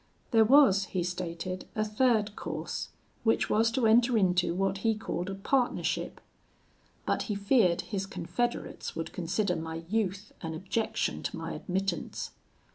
There was, he stated, a third course, which was to enter into what he called a partnership; but he feared his confederates would consider my youth an objection to my admittance.